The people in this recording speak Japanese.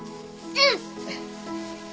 うん。